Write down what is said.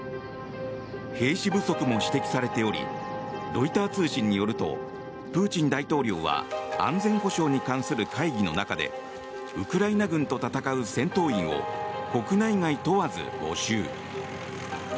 兵士不足も指摘されておりロイター通信によるとプーチン大統領は安全保障に関する会議の中でウクライナ軍と戦う戦闘員を国内外問わず募集。